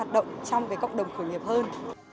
trong cộng đồng khởi nghiệp hơn